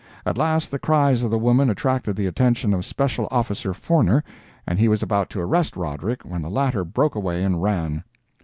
At last the cries of the woman attracted the attention of Special Officer Forner, and he was about to arrest Roderick when the latter broke away and ran.